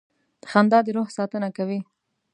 • خندا د روح ساتنه کوي.